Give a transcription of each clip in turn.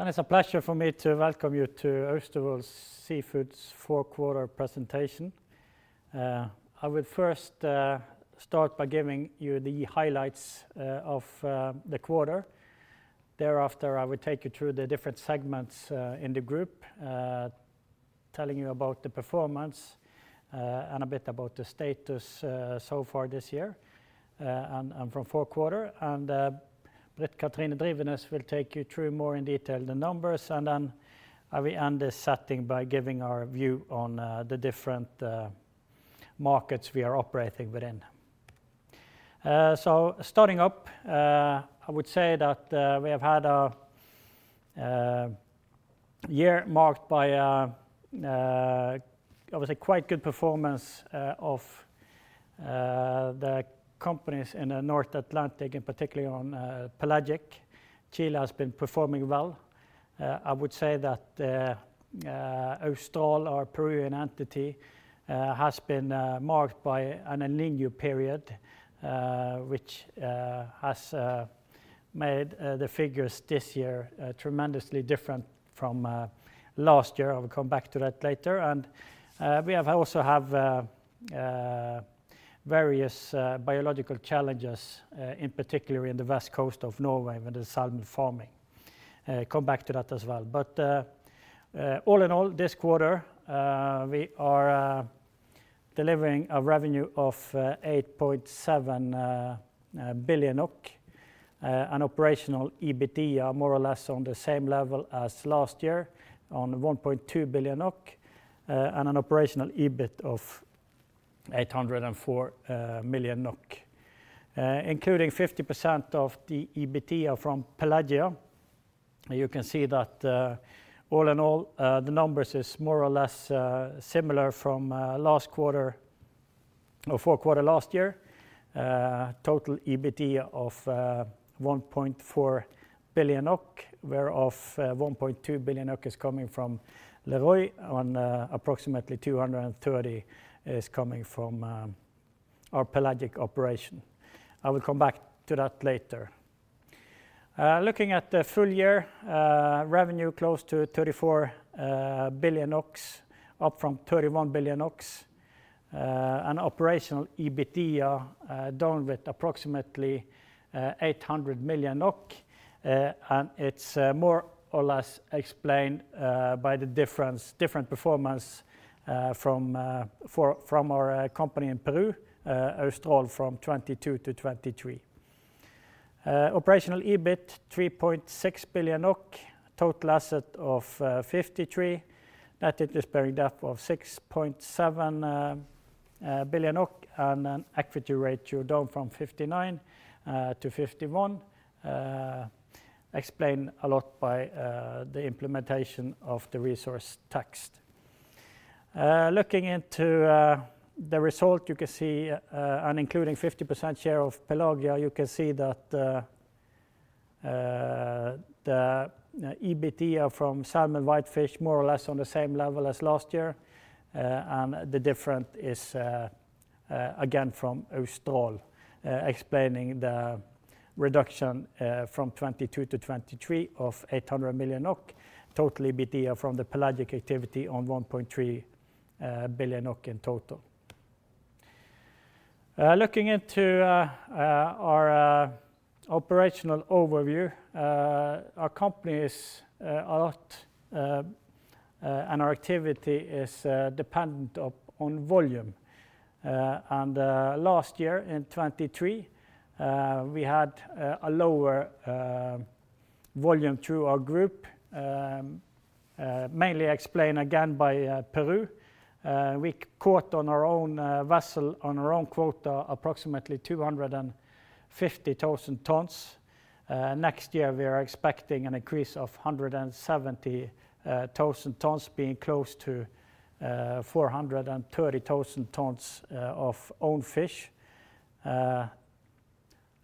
It's a pleasure for me to welcome you to Austevoll Seafood's fourth-quarter presentation. I would first start by giving you the highlights of the quarter. Thereafter I would take you through the different segments in the group, telling you about the performance and a bit about the status so far this year from fourth-quarter. Britt Kathrine Drivenes will take you through more in detail the numbers, and I will end this session by giving our view on the different markets we are operating within. Starting up, I would say that we have had a year marked by quite good performance of the companies in the North Atlantic, and particularly on Pelagic. Chile has been performing well. I would say that Austral, our Peruvian entity, has been marked by an El Niño period which has made the figures this year tremendously different from last year. I will come back to that later. We also have various biological challenges, in particular in the west coast of Norway with the salmon farming. Come back to that as well. But all in all, this quarter we are delivering a revenue of 8.7 billion. An operational EBITDA more or less on the same level as last year, on 1.2 billion NOK, and an operational EBIT of 804 million NOK. Including 50% of the EBITDA from Pelagia, you can see that all in all the numbers are more or less similar from last quarter or four-quarter last year. Total EBITDA of 1.4 billion, whereof 1.2 billion is coming from Lerøy, and approximately 230 million is coming from our Pelagic operation. I will come back to that later. Looking at the full year, revenue close to 34 billion, up from 31 billion. An operational EBITDA down with approximately 800 million NOK. It's more or less explained by the different performance from our company in Peru, Austral from 2022 to 2023. Operational EBIT 3.6 billion, total assets of 53 billion. Net interest bearing debt of 6.7 billion, and an equity ratio down from 59% to 51%. Explained a lot by the implementation of the resource tax. Looking into the result, you can see, and including 50% share of Pelagia, you can see that the EBITDA from salmon whitefish is more or less on the same level as last year. The difference is again from Austral, explaining the reduction from 2022 to 2023 of 800 million NOK. Total EBITDA from the Pelagic activity on 1.3 billion NOK in total. Looking into our operational overview, our company is a lot, and our activity is dependent on volume. Last year, in 2023, we had a lower volume through our group. Mainly explained again by Peru. We caught on our own vessel, on our own quota, approximately 250,000 tons. Next year we are expecting an increase of 170,000 tons, being close to 430,000 tons of own fish.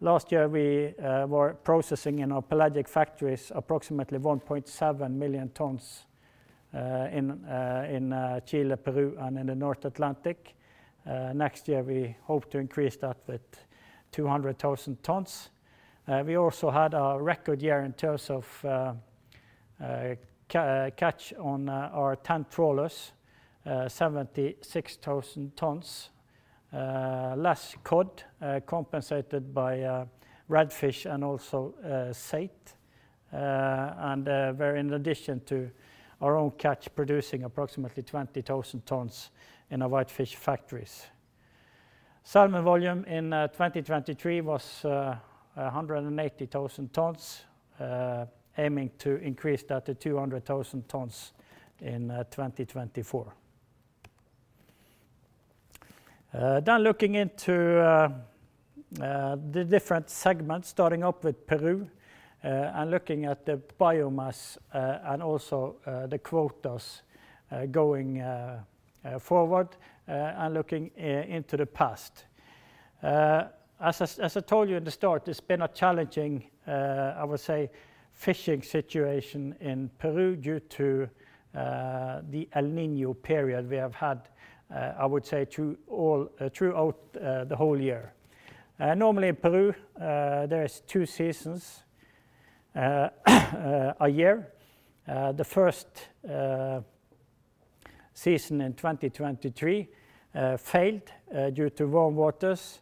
Last year we were processing in our Pelagic factories approximately 1.7 million tons in Chile, Peru, and in the North Atlantic. Next year we hope to increase that with 200,000 tons. We also had a record year in terms of catch on our 10 trawlers, 76,000 tons. Less cod compensated by redfish and also saithe. We're in addition to our own catch producing approximately 20,000 tons in our whitefish factories. Salmon volume in 2023 was 180,000 tons, aiming to increase that to 200,000 tons in 2024. Looking into the different segments, starting up with Peru and looking at the biomass and also the quotas going forward and looking into the past. As I told you in the start, it's been a challenging, I would say, fishing situation in Peru due to the El Niño period we have had, I would say, throughout the whole year. Normally in Peru there are two seasons a year. The first season in 2023 failed due to warm waters.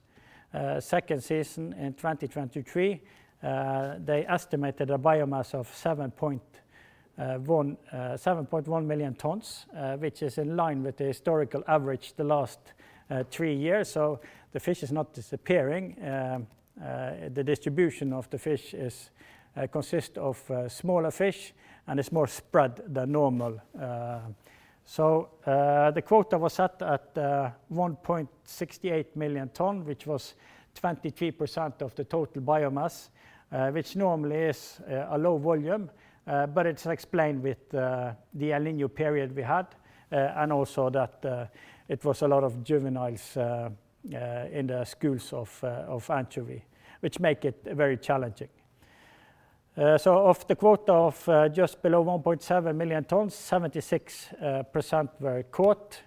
Second season in 2023, they estimated a biomass of 7.1 million tons, which is in line with the historical average the last three years. The fish is not disappearing. The distribution of the fish consists of smaller fish and is more spread than normal. The quota was set at 1.68 million tons, which was 23% of the total biomass, which normally is a low volume. But it's explained with the El Niño period we had and also that it was a lot of juveniles in the schools of anchovy, which makes it very challenging. Of the quota of just below 1.7 million tons, 76% were caught.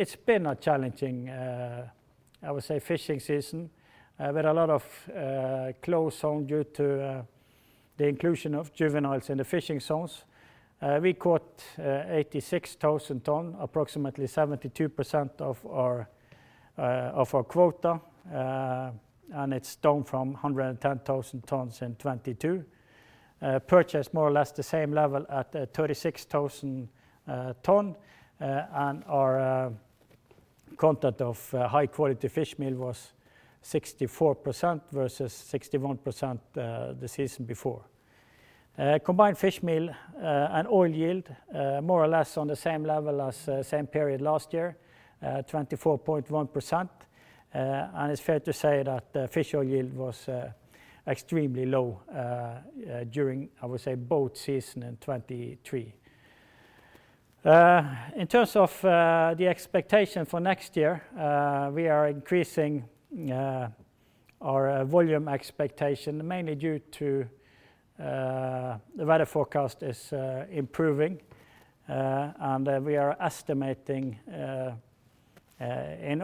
It's been a challenging, I would say, fishing season with a lot of closed zones due to the inclusion of juveniles in the fishing zones. We caught 86,000 tons, approximately 72% of our quota. It's down from 110,000 tons in '22. Purchased more or less the same level at 36,000 tons. Our content of high-quality fish meal was 64% versus 61% the season before. Combined fish meal and oil yield, more or less on the same level as same period last year, 24.1%. It's fair to say that fish oil yield was extremely low during, I would say, boat season in '23. In terms of the expectation for next year, we are increasing our volume expectation mainly due to the weather forecast is improving. We are estimating in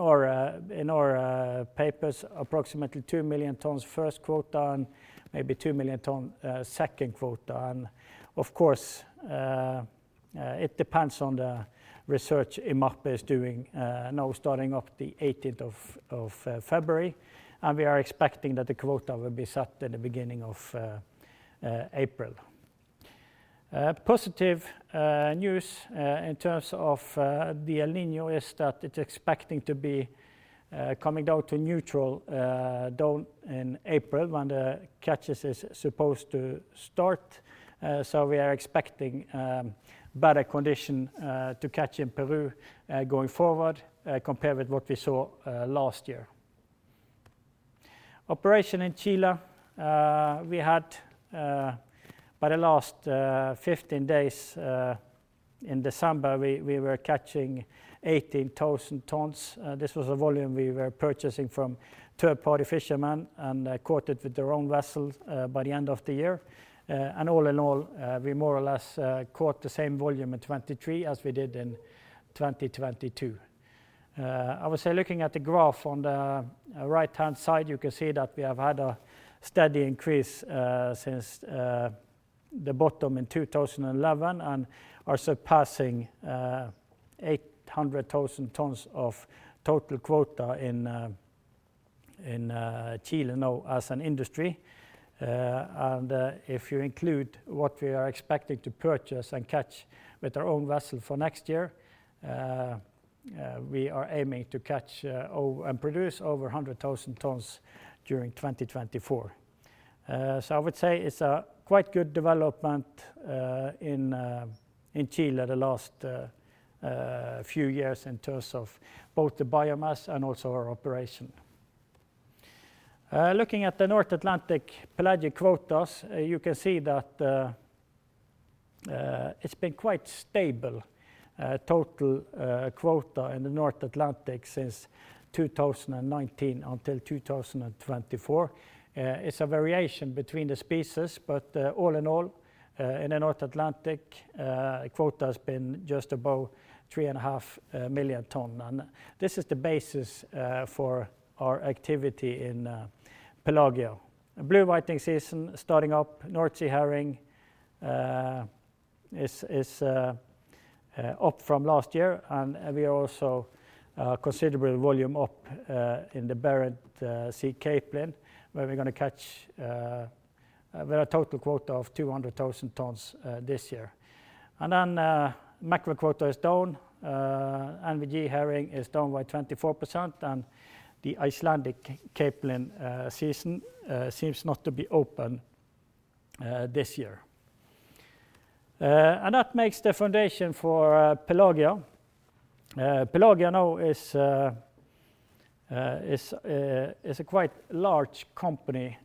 our papers approximately 2 million tons first quota and maybe 2 million tons second quota. Of course it depends on the research IMARPE is doing now starting up the 18th of February. We are expecting that the quota will be set in the beginning of April. Positive news in terms of the El Niño is that it's expecting to be coming down to neutral down in April when the catches are supposed to start. We are expecting better conditions to catch in Peru going forward compared with what we saw last year. Operation in Chile, we had by the last 15 days in December we were catching 18,000 tons. This was a volume we were purchasing from third-party fishermen and caught it with their own vessel by the end of the year. All in all we more or less caught the same volume in '23 as we did in 2022. I would say looking at the graph on the right-hand side you can see that we have had a steady increase since the bottom in 2011 and are surpassing 800,000 tons of total quota in Chile now as an industry. If you include what we are expecting to purchase and catch with our own vessel for next year, we are aiming to catch and produce over 100,000 tons during 2024. I would say it's quite good development in Chile the last few years in terms of both the biomass and also our operation. Looking at the North Atlantic Pelagic quotas, you can see that it's been quite stable total quota in the North Atlantic since 2019 until 2024. It's a variation between the species. But all in all in the North Atlantic quota has been just above 3.5 million tons. This is the basis for our activity in Pelagia. Blue whiting season starting up, North Sea herring is up from last year. We are also considerably volume up in the Barents Sea capelin where we're going to catch with a total quota of 200,000 tons this year. Macro quota is down. NVG herring is down by 24%. The Icelandic capelin season seems not to be open this year. That makes the foundation for Pelagia. Pelagia now is a quite large company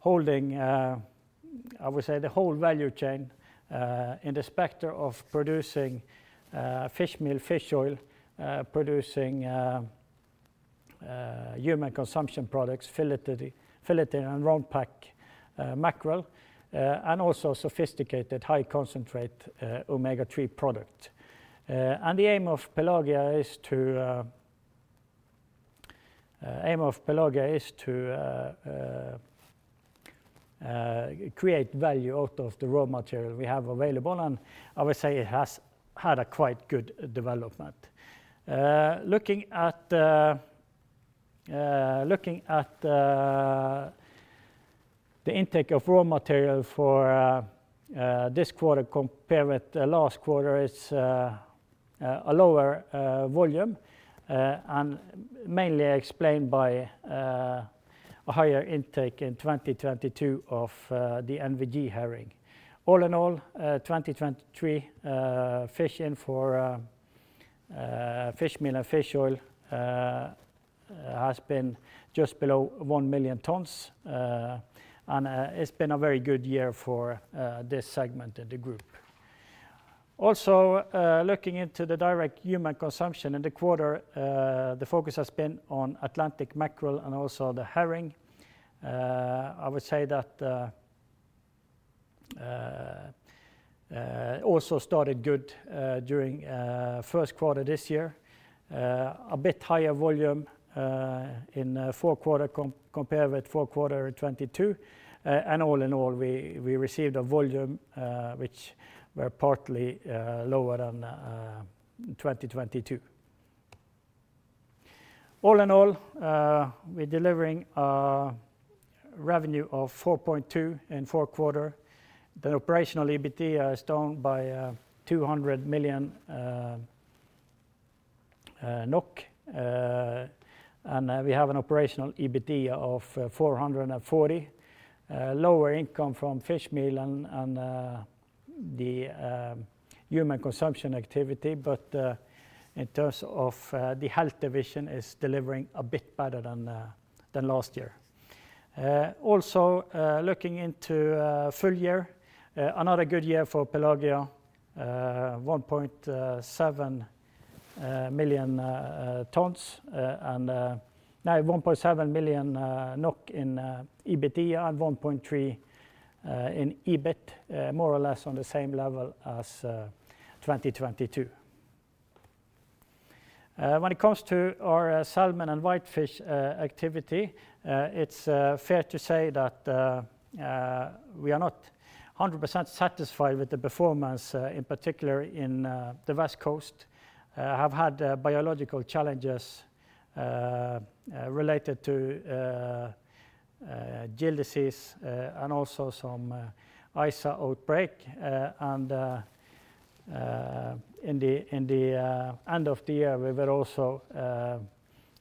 holding, I would say, the whole value chain in the spectrum of producing fish meal, fish oil, producing human consumption products, filet and round pack mackerel, and also sophisticated high concentrate omega-3 products. The aim of Pelagia is to create value out of the raw material we have available. I would say it has had quite good development. Looking at the intake of raw material for this quarter compared with the last quarter is a lower volume. Mainly explained by a higher intake in 2022 of the NVG herring. All in all 2023 fish in for fish meal and fish oil has been just below 1 million tons. It's been a very good year for this segment in the group. Also looking into the direct human consumption in the quarter, the focus has been on Atlantic mackerel and also the herring. I would say that also started good during first quarter this year. A bit higher volume in fourth quarter compared with fourth quarter in '22. And all in all we received a volume which were partly lower than 2022. All in all we're delivering a revenue of 4.2 million in fourth quarter. The operational EBITDA is down by 200 million NOK. And we have an operational EBITDA of 440 million. Lower income from fish meal and the human consumption activity. But in terms of the health division is delivering a bit better than last year. Also looking into full year, another good year for Pelagia. 1.7 million tons. And now 1.7 billion NOK in EBITDA and 1.3 billion in EBIT. More or less on the same level as 2022. When it comes to our salmon and whitefish activity, it's fair to say that we are not 100% satisfied with the performance, in particular in the West Coast. We have had biological challenges related to gill disease and also some ISA outbreak. At the end of the year we were also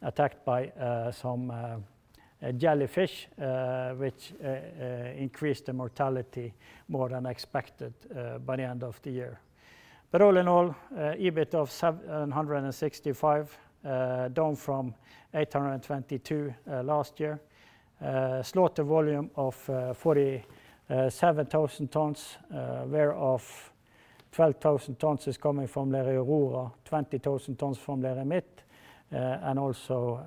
attacked by some jellyfish which increased the mortality more than expected by the end of the year. But all in all, EBIT of 765 million, down from 822 million last year. Slaughter volume of 47,000 tons, whereof 12,000 tons is coming from Lerøy Aurora, 20,000 tons from Lerøy Midt, and also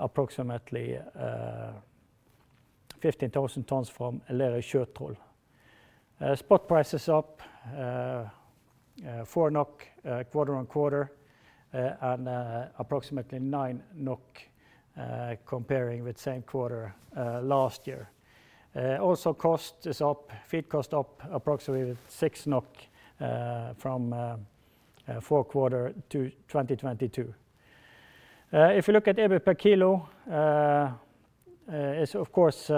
approximately 15,000 tons from Lerøy Sjøtroll. Spot price is up 4 NOK quarter on quarter and approximately 9 NOK comparing with same quarter last year. Also cost is up. Feed cost up approximately 6 NOK from Q4 2022. If you look at EBIT per kilo, it's of course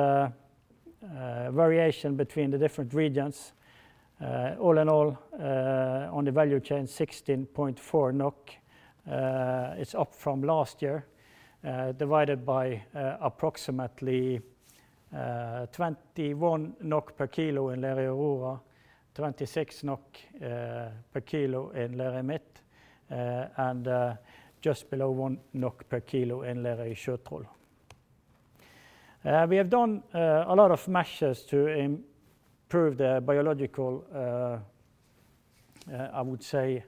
variation between the different regions. All in all on the value chain 16.4 NOK. It's up from last year. Divided by approximately 21 NOK per kilo in Lerøy Aurora. 26 NOK per kilo in Lerøy Midt. And just below 1 NOK per kilo in Lerøy Sjøtroll. We have done a lot of measures to improve the biological, I would say,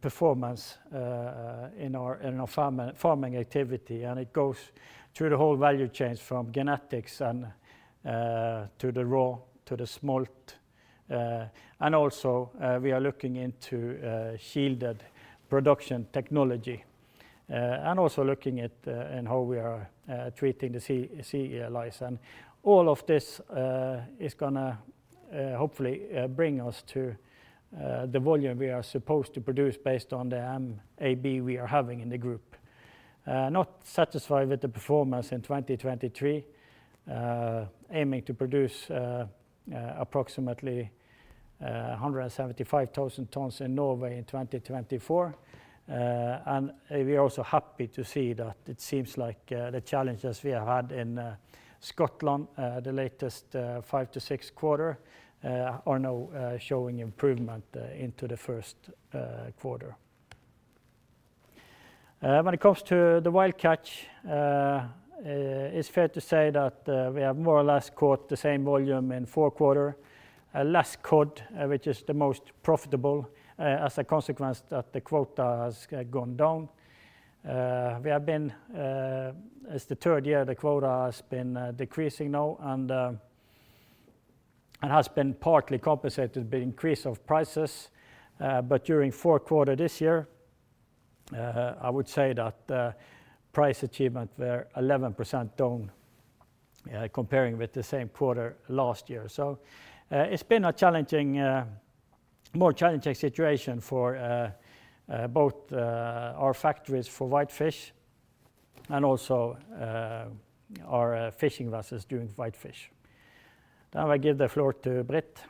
performance in our farming activity. It goes through the whole value chain from genetics to the raw to the smolt. We are looking into shielded production technology. We are also looking at how we are treating the sea lice. All of this is going to hopefully bring us to the volume we are supposed to produce based on the MAB we are having in the group. Not satisfied with the performance in 2023. Aiming to produce approximately 175,000 tons in Norway in 2024. We are also happy to see that it seems like the challenges we have had in Scotland the latest five to six quarters are now showing improvement into the first quarter. When it comes to the wild catch, it's fair to say that we have more or less caught the same volume in the fourth quarter. Less cod which is the most profitable as a consequence that the quota has gone down. We have been, it's the third year the quota has been decreasing now. It has been partly compensated by the increase of prices. But during the fourth quarter this year I would say that price achievement was 11% down comparing with the same quarter last year. So it's been a more challenging situation for both our factories for whitefish and also our fishing vessels doing whitefish. Now I give the floor to Britt.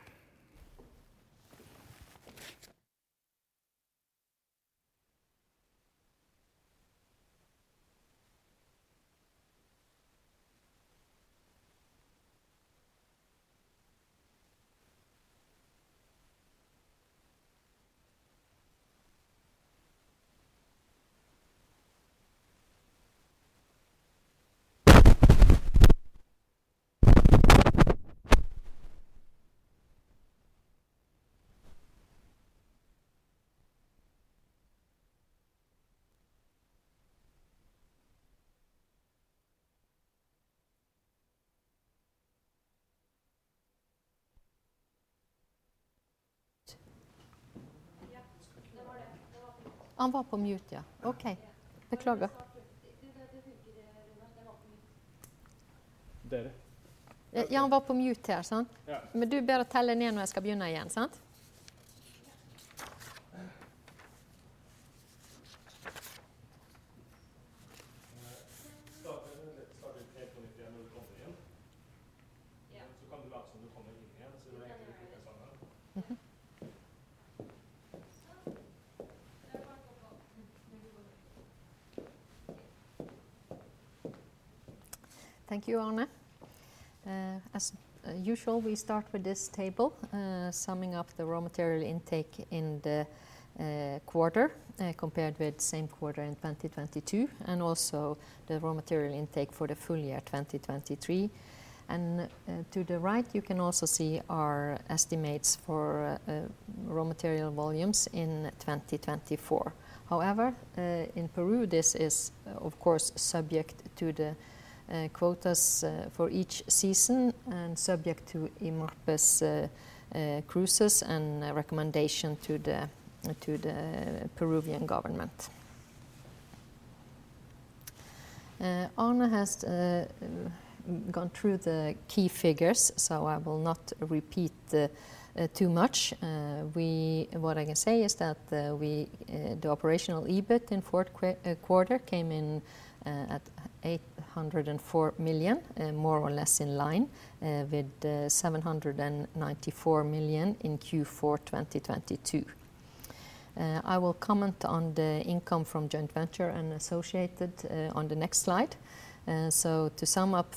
Ja, det var det. Han var på mute. Han var på mute, ja. OK. Beklager. Det funker, Runar. Den var på mute. Dere? Ja, han var på mute her, sant? Men du ber å telle ned når jeg skal begynne igjen, sant? Ja. Starter du 3.91 når du kommer inn? Ja. Så kan du late som du kommer inn igjen, så det egentlig klikket sammen. Sånn. Det bare å gå på. Det går helt fint. OK. Thank you, Arne. As usual we start with this table summing up the raw material intake in the quarter compared with same quarter in 2022. Also the raw material intake for the full year 2023. To the right you can also see our estimates for raw material volumes in 2024. However, in Peru this is of course subject to the quotas for each season. Subject to IMARPE's cruises and recommendation to the Peruvian government, Arne has gone through the key figures, so I will not repeat too much. What I can say is that the operational EBIT in fourth quarter came in at $804 million, more or less in line with $794 million in Q4 2022. I will comment on the income from joint venture and associated on the next slide. To sum up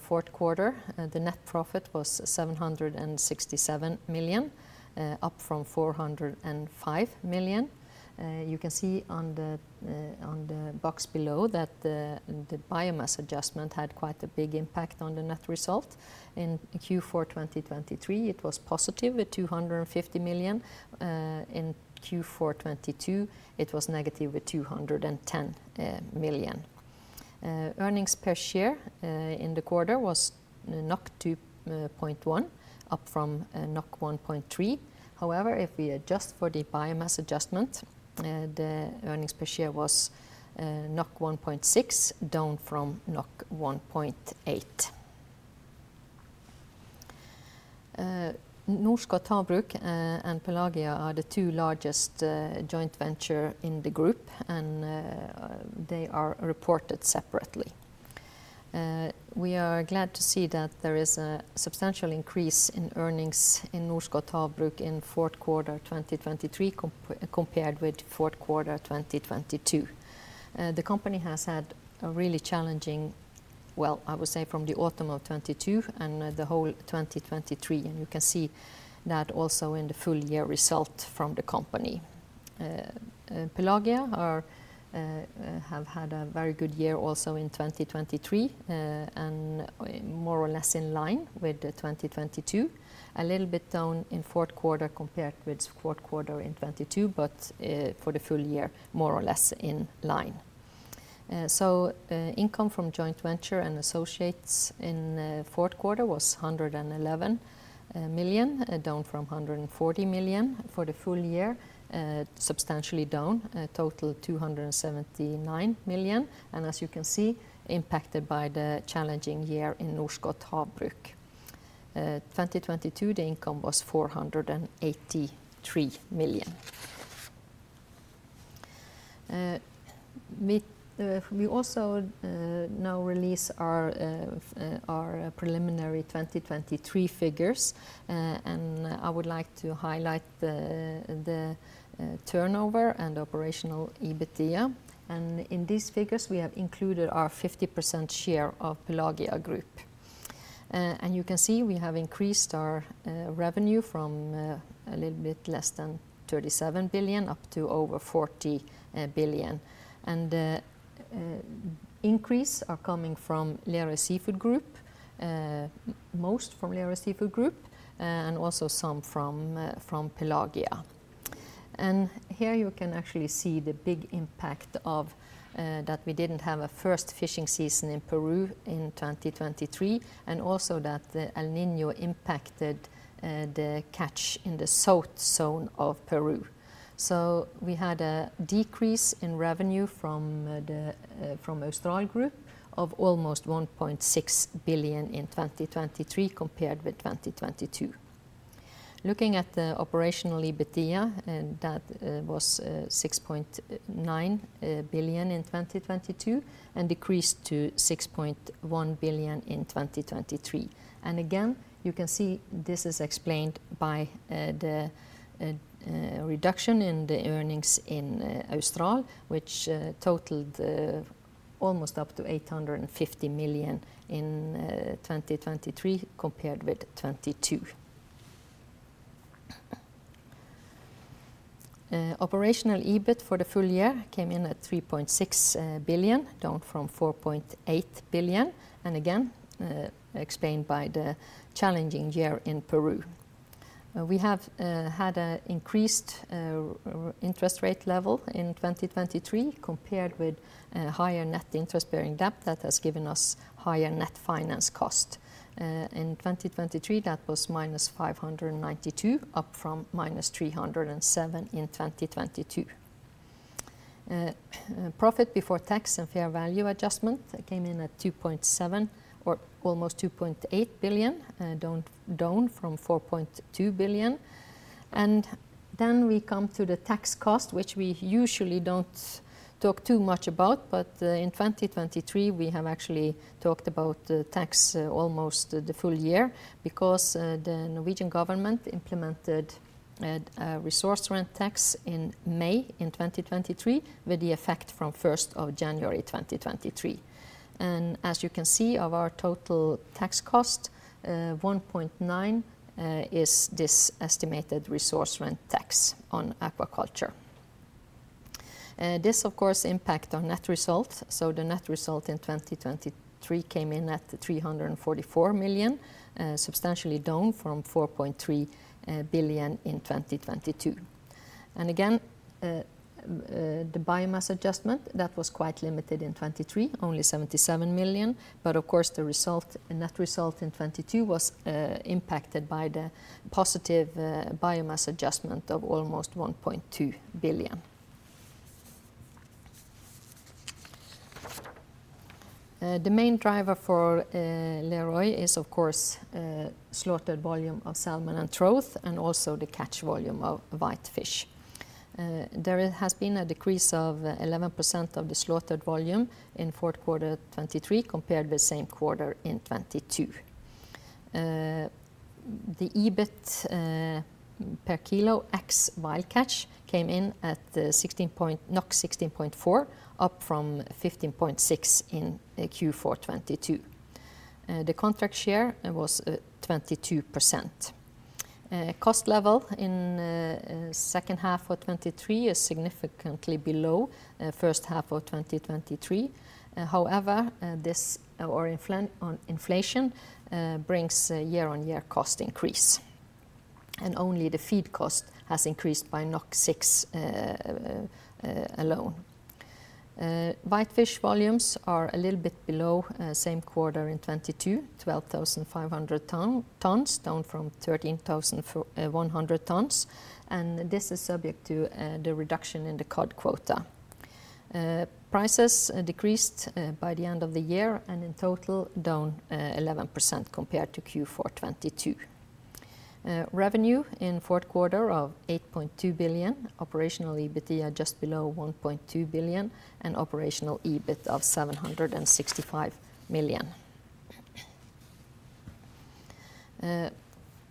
fourth quarter, the net profit was $767 million, up from $405 million. You can see on the box below that the biomass adjustment had quite a big impact on the net result. In Q4 2023 it was positive with $250 million. In Q4 2022 it was negative with $210 million. Earnings per share in the quarter was 2.1, up from 1.3. However, if we adjust for the biomass adjustment, the earnings per share was 1.6. Down from 1.8 million. Norskott Havbruk and Pelagia are the two largest joint ventures in the group, and they are reported separately. We are glad to see that there is a substantial increase in earnings in Norskott Havbruk in fourth quarter 2023 compared with fourth quarter 2022. The company has had a really challenging period from the autumn of 2022 and the whole of 2023. You can see that also in the full year result from the company. Pelagia have had a very good year also in 2023, more or less in line with 2022. A little bit down in fourth quarter compared with fourth quarter in 2022, but for the full year more or less in line. Income from joint ventures and associates in fourth quarter was 111 million, down from 140 million. For the full year, substantially down. Total 279 million. As you can see, impacted by the challenging year in Norskott Havbruk, 2022 the income was 483 million. We also now release our preliminary 2023 figures. I would like to highlight the turnover and operational EBITDA. In these figures we have included our 50% share of Pelagia Group. You can see we have increased our revenue from a little bit less than 37 billion up to over 40 billion. The increase is coming from Lerøy Seafood Group. Most from Lerøy Seafood Group. Also some from Pelagia. Here you can actually see the big impact of that we didn't have a first fishing season in Peru in 2023. Also that El Niño impacted the catch in the south zone of Peru. We had a decrease in revenue from the Austral Group of almost 1.6 billion in 2023 compared with 2022. Looking at the operational EBITDA that was $6.9 billion in 2022 and decreased to $6.1 billion in 2023. You can see this is explained by the reduction in the earnings in Austral which totaled almost up to $850 million in 2023 compared with 2022. Operational EBIT for the full year came in at $3.6 billion, down from $4.8 billion, and again explained by the challenging year in Peru. We have had an increased interest rate level in 2023 compared with higher net interest bearing debt that has given us higher net finance cost. In 2023 that was -$592 million, up from -$307 million in 2022. Profit before tax and fair value adjustment came in at $2.7 or almost $2.8 billion, down from $4.2 billion. Then we come to the tax cost which we usually don't talk too much about. In 2023 we have actually talked about tax almost the full year, because the Norwegian government implemented a resource rent tax in May 2023 with the effect from January 1st, 2023. As you can see of our total tax cost, 1.9 billion is this estimated resource rent tax on aquaculture. This of course impacts on net result. The net result in 2023 came in at 344 million, substantially down from 4.3 billion in 2022. Again the biomass adjustment that was quite limited in '23, only 77 million. Of course the net result in '22 was impacted by the positive biomass adjustment of almost 1.2 billion. The main driver for Lerøy is of course slaughtered volume of salmon and trout, and also the catch volume of whitefish. There has been a decrease of 11% of the slaughtered volume in fourth quarter '23 compared with same quarter in '22. The EBIT per kilo ex wild catch came in at 16.4, up from 15.6 in Q4 '22. The contract share was 22%. Cost level in the second half of '23 is significantly below first half of 2023. However, this inflation brings a year on year cost increase, and only the feed cost has increased by 6 alone. Whitefish volumes are a little bit below same quarter in '22: 12,500 tons, down from 13,100 tons. This is subject to the reduction in the cod quota. Prices decreased by the end of the year and in total down 11% compared to Q4 '22. Revenue in fourth quarter of 8.2 billion. Operational EBITDA just below 1.2 billion and operational EBIT of 765 million.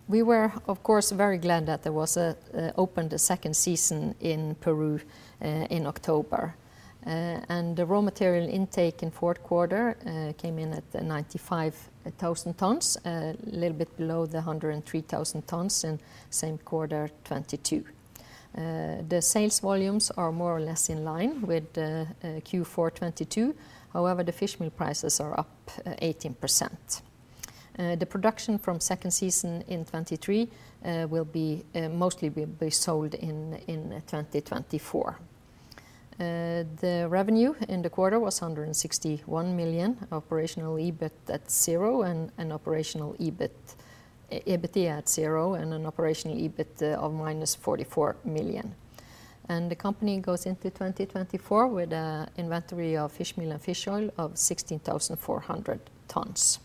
We were of course very glad that there was opened a second season in Peru in October. The raw material intake in fourth quarter came in at 95,000 tons, a little bit below the 103,000 tons in same quarter '22. The sales volumes are more or less in line with Q4 '22. However, the fish meal prices are up 18%. The production from second season in '23 will mostly be sold in 2024. The revenue in the quarter was $161 million. Operational EBIT at zero and an operational EBITDA at zero and an operational EBIT of -$44 million. The company goes into 2024 with an inventory of fish meal and fish oil of 16,400 tons.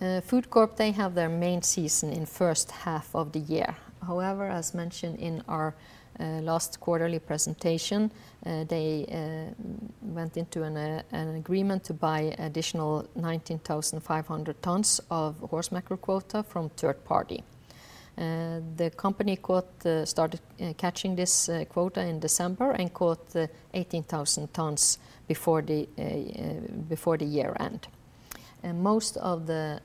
FoodCorp, they have their main season in first half of the year. However, as mentioned in our last quarterly presentation... They went into an agreement to buy additional 19,500 tons of horse mackerel quota from third party. The company started catching this quota in December and caught 18,000 tons before the year end. Most of the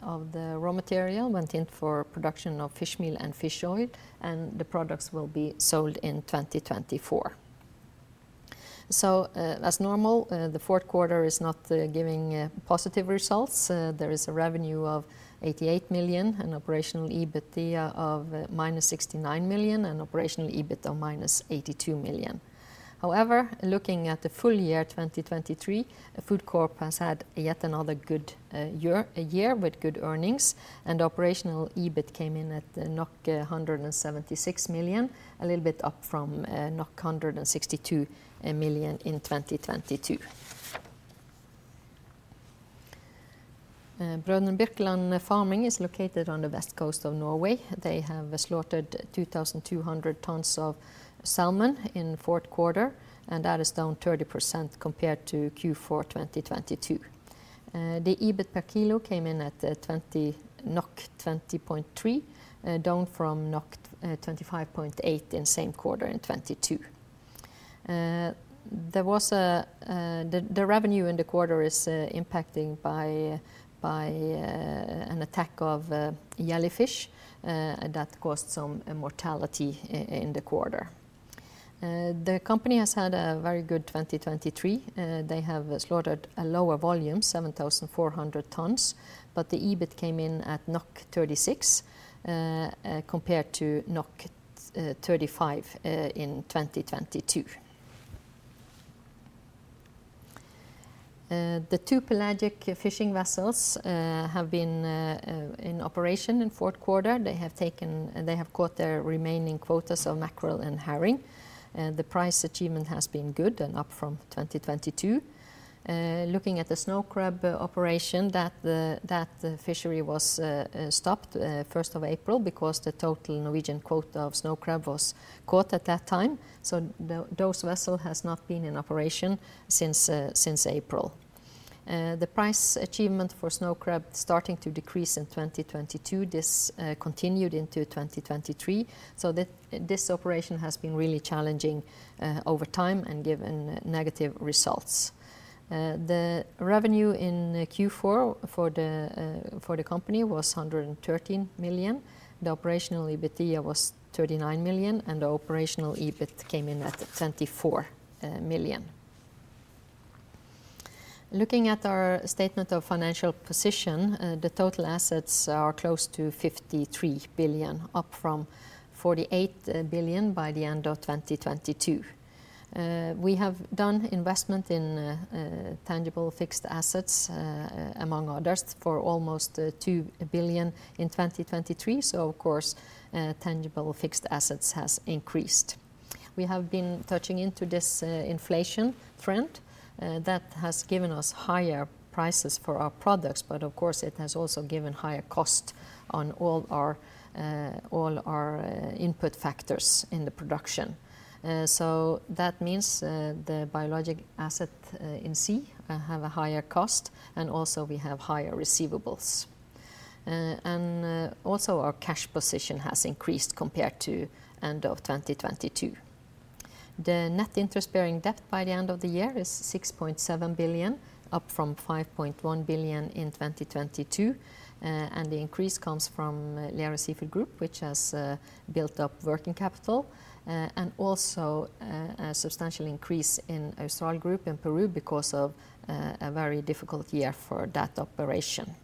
raw material went in for production of fish meal and fish oil. The products will be sold in 2024. As normal, the fourth quarter is not giving positive results. There is a revenue of $88 million, an operational EBITDA of -$69 million, an operational EBIT of -$82 million. However, looking at the full year 2023, Food Corp has had yet another good year with good earnings. Operational EBIT came in at 176 million, a little bit up from 162 million in 2022. Br. Birkeland Farming is located on the west coast of Norway. They have slaughtered 2,200 tons of salmon in fourth quarter. That is down 30% compared to Q4 2022. The EBIT per kilo came in at 20.3, down from 25.8 in same quarter in 2022. The revenue in the quarter is impacted by an attack of jellyfish that caused some mortality in the quarter. The company has had a very good 2023. They have slaughtered a lower volume, 7,400 tons, but the EBIT came in at 36 compared to 35 in 2022. The two pelagic fishing vessels have been in operation in fourth quarter. They have caught their remaining quotas of mackerel and herring. The price achievement has been good and up from 2022. Looking at the snow crab operation, the fishery was stopped 1st of April because the total Norwegian quota of snow crab was caught at that time. Those vessels have not been in operation since April. The price achievement for snow crab started to decrease in 2022. This continued into 2023. This operation has been really challenging over time and given negative results. The revenue in Q4 for the company was $113 million. The operational EBITDA was $39 million. The operational EBIT came in at $24 million. Looking at our statement of financial position, the total assets are close to $53 billion, up from $48 billion by the end of 2022. We have done investment in tangible fixed assets, among others for almost $2 billion in 2023. Of course tangible fixed assets has increased. We have been touching into this inflation trend that has given us higher prices for our products. But of course it has also given higher cost on all our input factors in the production. That means the biologic asset in sea have a higher cost. We also have higher receivables. Our cash position has increased compared to end of 2022. The net interest bearing debt by the end of the year is $6.7 billion, up from $5.1 billion in 2022. The increase comes from Lerøy Seafood Group which has built up working capital, and also a substantial increase in Austral Group in Peru because of a very difficult year for that operation.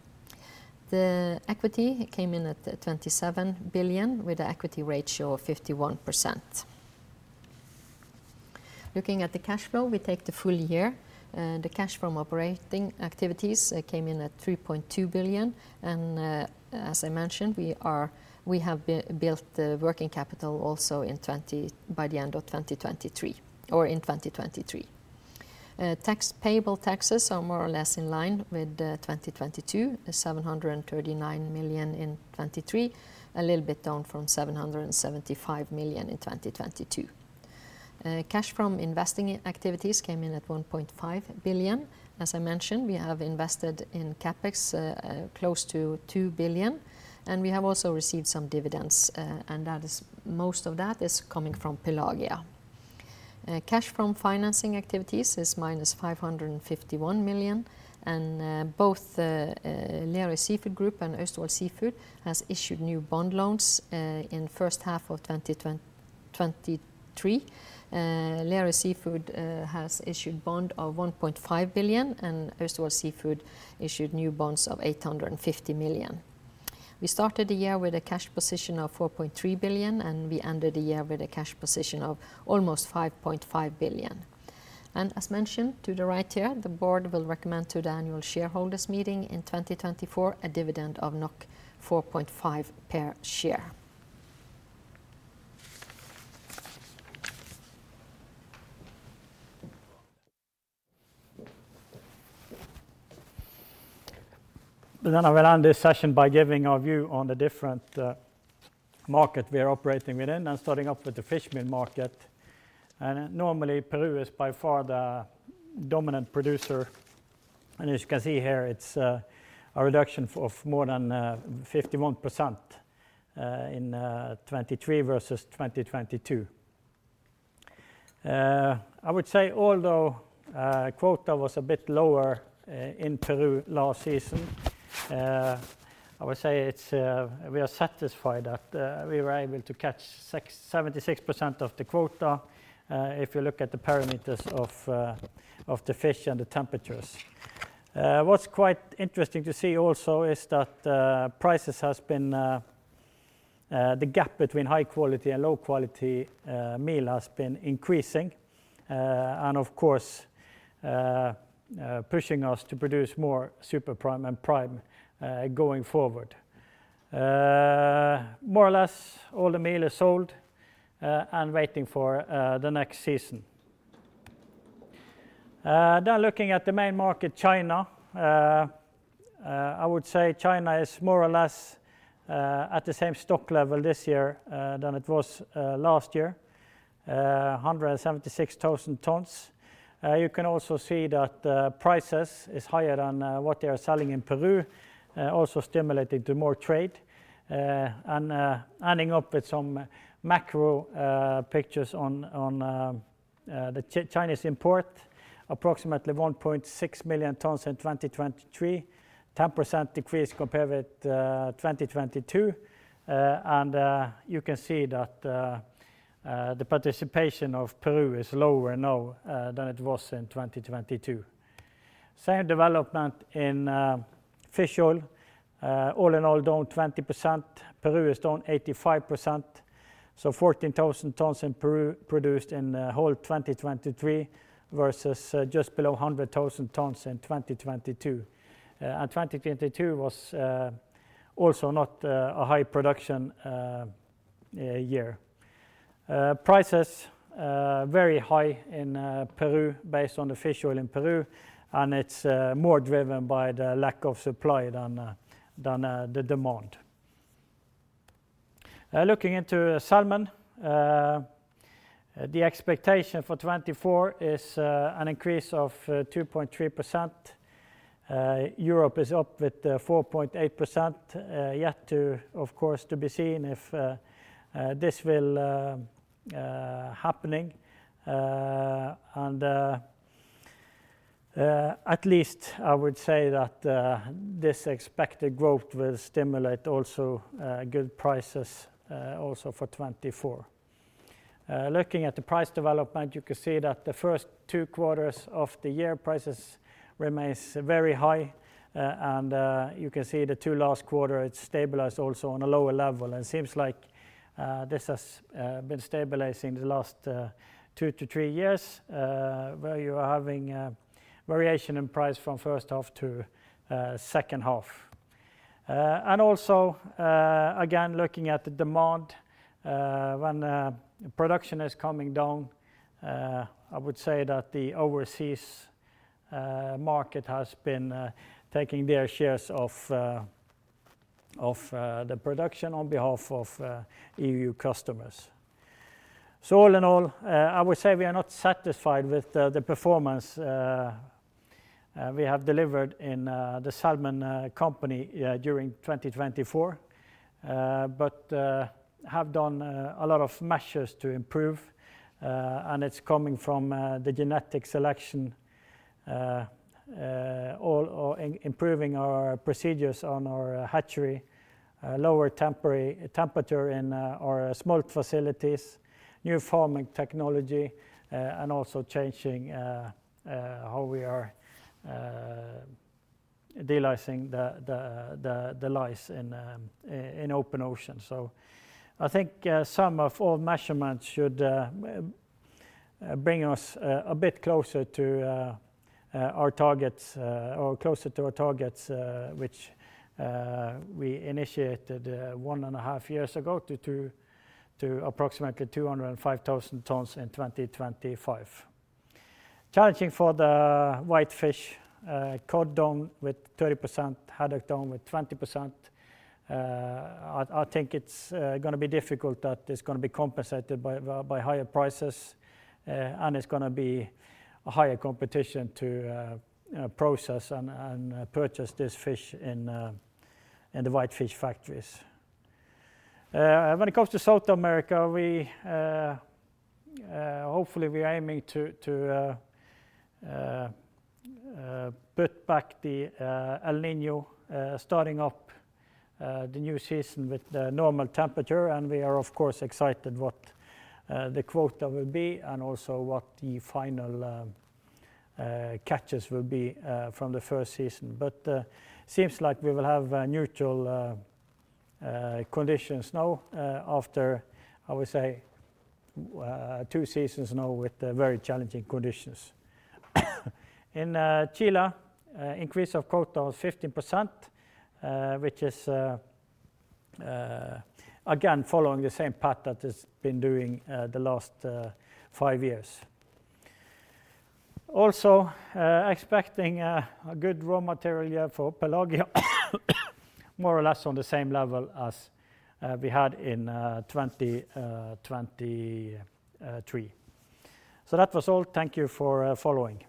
The equity came in at $27 billion with an equity ratio of 51%. Looking at the cash flow for the full year, the cash from operating activities came in at $3.2 billion. As I mentioned, we have built working capital by the end of 2023. Tax payable taxes are more or less in line with 2022: $739 million in 2023, a little bit down from $775 million in 2022. Cash from investing activities came in at $1.5 billion. As I mentioned, we have invested in CapEx close to $2 billion. We have also received some dividends, and most of that is coming from Pelagia. Cash from financing activities is -$551 million. Both Lerøy Seafood Group and Austevoll Seafood has issued new bond loans in first half of 2023. Lerøy Seafood has issued bond of $1.5 billion. Austevoll Seafood issued new bonds of $850 million. We started the year with a cash position of $4.3 billion. We ended the year with a cash position of almost $5.5 billion. As mentioned to the right here, the board will recommend to the annual shareholders meeting in 2024 a dividend of 4.5 per share. I will end this session by giving a view on the different market we are operating within. Starting off with the fish meal market. Normally Peru is by far the dominant producer. As you can see here it's a reduction of more than 51% in 2023 versus 2022. I would say although quota was a bit lower in Peru last season, I would say we are satisfied that we were able to catch 76% of the quota if you look at the parameters of the fish and the temperatures. What's quite interesting to see also is that prices has been, the gap between high quality and low quality meal has been increasing. Of course pushing us to produce more super prime and prime going forward. More or less all the meal is sold and waiting for the next season. Looking at the main market China, I would say China is more or less at the same stock level this year than it was last year. 176,000 tons. You can also see that prices are higher than what they are selling in Peru. Also stimulating to more trade. Ending up with some macro pictures on the Chinese import. Approximately 1.6 million tons in 2023. 10% decrease compared with 2022. You can see that the participation of Peru is lower now than it was in 2022. Same development in fish oil. All in all down 20%. Peru is down 85%. So 14,000 tons in Peru produced in the whole 2023 versus just below 100,000 tons in 2022. 2022 was also not a high production year. Prices very high in Peru based on the fish oil in Peru. It's more driven by the lack of supply than the demand. Looking into salmon, the expectation for '24 is an increase of 2.3%. Europe is up with 4.8%. Yet to of course be seen if this will be happening. At least I would say that this expected growth will stimulate good prices for '24. Looking at the price development you can see that the first two quarters of the year prices remain very high. You can see the two last quarters it stabilized on a lower level. It seems like this has been stabilizing the last two to three years where you are having variation in price from first half to second half. Looking at the demand when production is coming down, I would say that the overseas market has been taking their shares. of the production on behalf of EU customers. So all in all I would say we are not satisfied with the performance we have delivered in the salmon company during 2024. But have done a lot of measures to improve. It's coming from the genetic selection all or improving our procedures on our hatchery. Lower temperature in our smolt facilities. New farming technology. Also changing how we are delicing the lice in open ocean. I think some of all measurements should bring us a bit closer to our targets or closer to our targets which we initiated one and a half years ago to approximately 205,000 tons in 2025. Challenging for the white fish. Cod down with 30%. Haddock down with 20%. I think it's going to be difficult that it's going to be compensated by higher prices. It's going to be a higher competition to process and purchase this fish in the white fish factories. When it comes to South America we hopefully are aiming to put back the El Niño starting up the new season with the normal temperature. We are of course excited what the quota will be. Also what the final catches will be from the first season. But seems like we will have neutral conditions now after I would say two seasons now with very challenging conditions. In Chile increase of quota was 15%. Which is again following the same pattern that it's been doing the last five years. Also expecting a good raw material year for Pelagia. More or less on the same level as we had in 2023. So that was all, thank you for following.